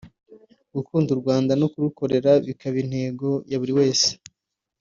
gukunda u Rwanda no kurukorera bikaba intego ya buri wese